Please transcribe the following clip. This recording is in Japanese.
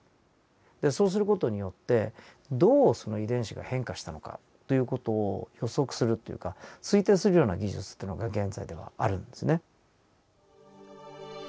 でそうする事によってどうその遺伝子が変化したのかという事を予測するというか推定するような技術というのが現在ではあるんですね。